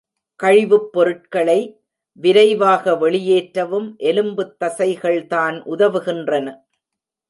கழிவுப் பொருட்களை விரைவாக வெளியேற்றவும் எலும்புத் தசைகள்தான் உதவுகின்றன.